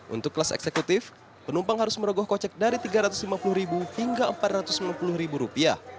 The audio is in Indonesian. untuk kelas eksekutif penumpang harus merogoh kocek dari rp tiga ratus lima puluh hingga rp empat ratus lima puluh